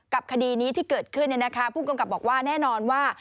กับคดีนี้ที่เกิดขึ้นเนี่ยนะคะผู้กำกับบอกว่าแน่นอนว่า